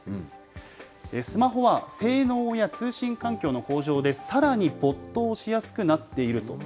スマホは性能や通信環境の向上でさらに没頭しやすくなっていると。